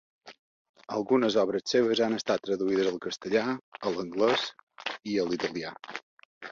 Algunes obres seves han estat traduïdes al castellà, a l'anglès i a l'italià.